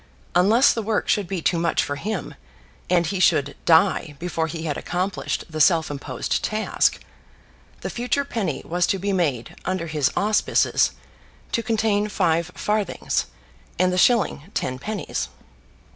Unless the work should be too much for him, and he should die before he had accomplished the self imposed task, the future penny was to be made, under his auspices, to contain five farthings, and the shilling ten pennies.